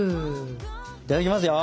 いただきますよ！